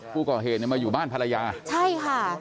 ผู้ก่อเหตุเนี่ยมาอยู่บ้านภรรยาใช่ค่ะ